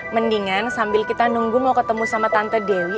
mendingan sambil kita nunggu mau ketemu sama tante dewi